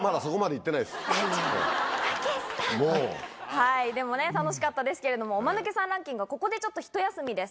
はいでもね楽しかったですけれどもおマヌケさんランキングはここでちょっとひと休みです。